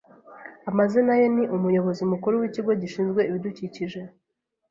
Amazina ye ni Umuyobozi mukuru w'ikigo gishinzwe ibidukikije.